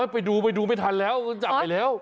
ไปดูไม่ทันแล้วจับไปแล้ว